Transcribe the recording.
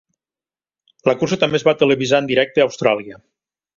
La cursa també es va televisar en directe a Austràlia.